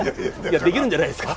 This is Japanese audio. できるんじゃないですか。